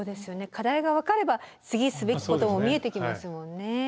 課題が分かれば次すべきことも見えてきますもんね。